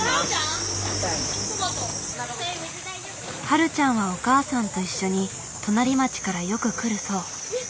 はるちゃんはお母さんと一緒に隣町からよく来るそう。